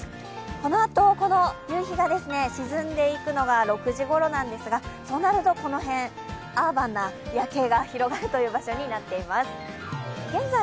このあと、この夕日が沈んでいくのが６時ごろなんですが、そうなるとこの辺、アーバンな夜景が広がるというところになっています。